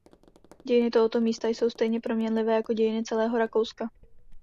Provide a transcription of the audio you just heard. Dějiny tohoto místa jsou stejně proměnlivé jako dějiny celého Rakouska.